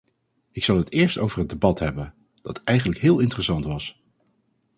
Ik zal het eerst over het debat hebben, dat eigenlijk heel interessant was.